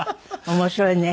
面白いね。